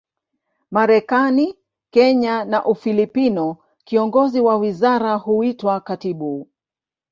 Marekani, Kenya na Ufilipino, kiongozi wa wizara huitwa katibu.